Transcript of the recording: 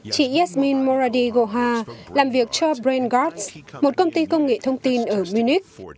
chị yasmin moradi gohar làm việc cho brainguard một công ty công nghệ thông tin ở munich